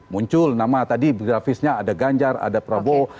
muncul nama tadi grafisnya ada ganjar ada prabowo